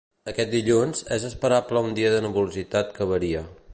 Aquest dilluns, és esperable un dia de nuvolositat que varia.